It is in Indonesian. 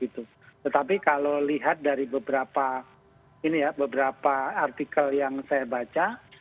tetapi kalau lihat dari beberapa artikel yang saya baca